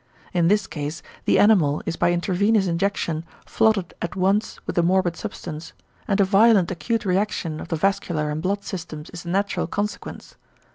In this case the animal is by intravenous injection flooded at once with the morbid substance, and a violent acute reaction of the vascular and blood systems is the natural consequence.